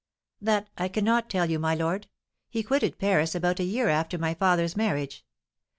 "That I cannot tell you, my lord. He quitted Paris about a year after my father's marriage.